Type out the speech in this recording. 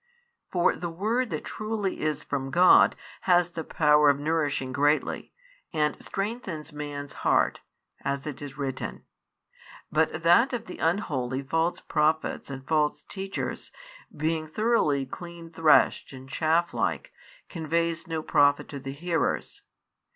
For the word that truly is from God has the power of nourishing greatly, and strengthens man's heart, as it is |69 written, but that of the unholy false prophets and false teachers, being thoroughly clean threshed and chaff like, conveys no profit to the hearers.